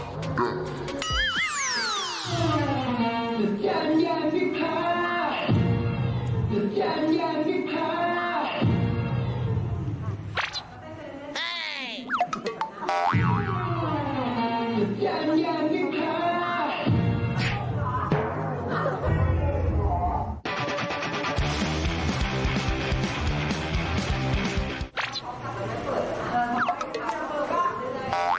ในวันนี้ก็เป็นการประเดิมถ่ายเพลงแรก